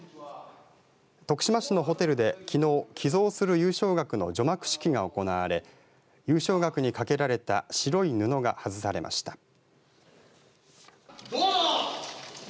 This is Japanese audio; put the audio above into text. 徳島市のホテルで、きのう寄贈する優勝額の除幕式が行われ優勝額に掛けられた白い布が外されました。